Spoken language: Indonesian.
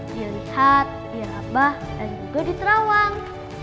di lihat di rabah dan juga di terawang